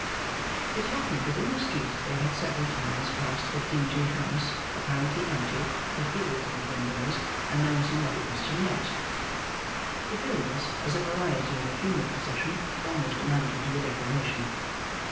It happened that in the street they had several times passed a dingy house, apparently empty, with bills in the windows, announcing that it was to let. The bills, as a variety in the funeral procession, almost amounted to a decoration.